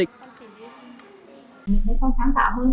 mình thấy con sáng tạo hơn